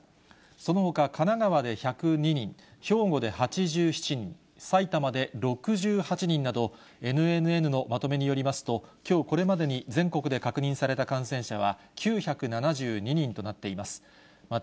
そのほか、神奈川で１０２人、兵庫で８７人、埼玉で６８人など、ＮＮＮのまとめによりますと、きょうこれまでに全国で確認された感染者は、９７２人となっています。